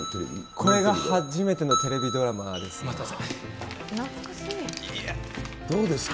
これが初めてのテレビドラマどうですか。